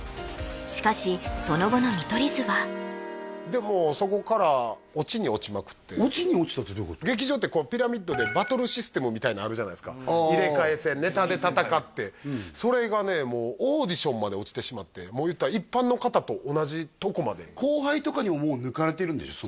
しかしその後の見取り図はでもうそこから「落ちに落ちた」ってどういうこと劇場ってピラミッドでバトルシステムみたいのあるじゃないすか入れ替え戦ネタで戦ってそれがねもうオーディションまで落ちてしまってもう言ったら一般の方と同じとこまで後輩とかにももう抜かれてるんでしょ？